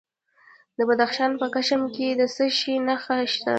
د بدخشان په کشم کې د څه شي نښې دي؟